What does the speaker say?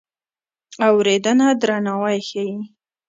اورېدنه درناوی ښيي.